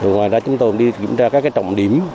ngoài ra chúng tôi đi kiểm tra các trọng điểm